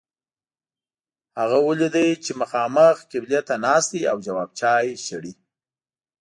هغه ولید چې مخامخ قبلې ته ناست دی او جواب چای شړي.